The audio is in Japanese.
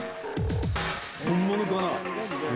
本物かな？